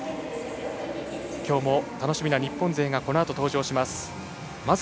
今日も楽しみな日本勢がこのあと登場します。